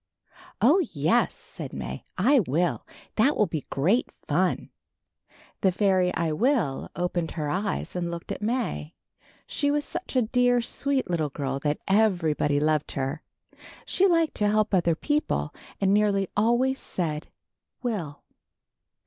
"Oh, yes," said May, "I will. That will be great fun." The fairy I Will opened her eyes and looked at May. She was such a dear, sweet THE GIANT AND THE FAIRY. 35 little girl that everybody loved her. She liked to help other people, and nearly always said, will.